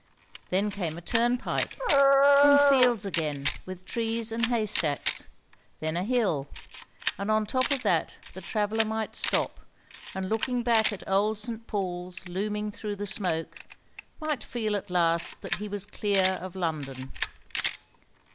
Then came a turnpike, then fields again with trees and haystacks, then a hill; and on top of that the traveller might stop, and looking back at old St. Paul's looming through the smoke, might feel at last that he was clear of London.